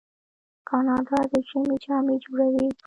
کاناډا د ژمي جامې جوړوي.